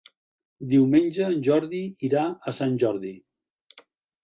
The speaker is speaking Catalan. Diumenge en Jordi irà a Sant Jordi.